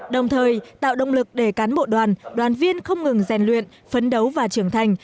đồng thời tạo động lực để cán bộ đoàn đoàn viên không ngừng rèn luyện phấn đấu và trưởng thành